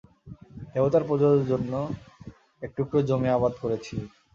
দেবতার পূজোর জন্য একটুকরো জমিতে আবাদ করেছি।